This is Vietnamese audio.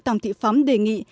tòng thị phóng đề nghị